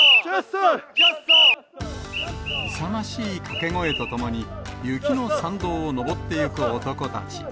勇ましい掛け声とともに雪の山道を登っていく男たち。